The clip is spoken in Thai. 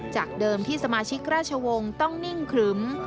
จากเดิมที่สมาชิกราชวงศ์ต้องนิ่งครึม